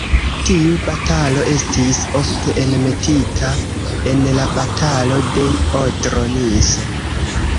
Tiu batalo estis ofte enmetita en la Batalo de Odro-Niso.